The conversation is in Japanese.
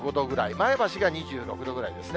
前橋が２６度ぐらいですね。